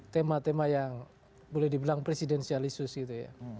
tema tema yang boleh dibilang presidensialisus gitu ya